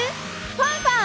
ファンファン。